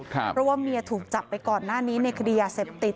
เพราะว่าเมียถูกจับไปก่อนหน้านี้ในคดียาเสพติด